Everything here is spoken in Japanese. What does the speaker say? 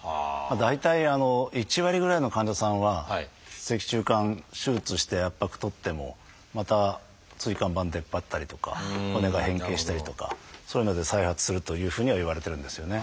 大体１割ぐらいの患者さんは脊柱管手術をして圧迫取ってもまた椎間板出っ張ったりとか骨が変形したりとかそういうので再発するというふうにはいわれてるんですよね。